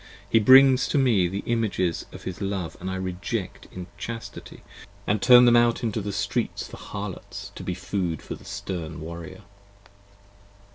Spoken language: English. He brings to me the Images of his Love & I reject in chastity And turn them out into the streets for Harlots, to be food 5 To the stern Warrior.